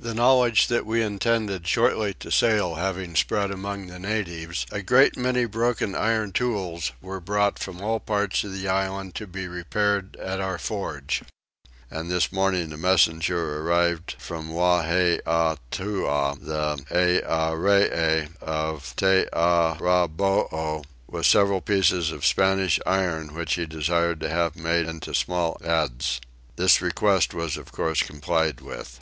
The knowledge that we intended shortly to sail having spread among the natives a great many broken iron tools were brought from all parts of the island to be repaired at our forge; and this morning a messenger arrived from Waheatua, the Earee of Tiarraboo, with several pieces of Spanish iron which he desired to have made into small adzes. This request was of course complied with.